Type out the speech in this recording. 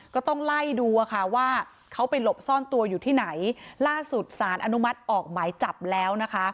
ก็ต้องไล่ดูอะค่ะว่าเขาไปหลบซ่อนตัวอยู่ที่ไหนล่าสุดสารอนุมัติออกหมายจับแล้วนะคะ